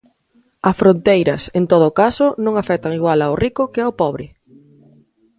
A fronteiras, en todo caso, non afectan igual ao rico que ao pobre.